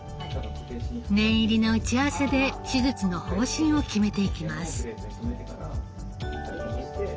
念入りな打ち合わせで手術の方針を決めていきます。